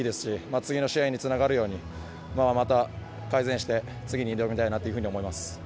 次の試合につながるようにまた改善して次に挑みたいなというふうに思います。